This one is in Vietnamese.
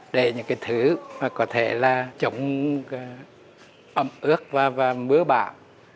để những cái thứ mà có thể là trụng ấm ướt và mứa bạc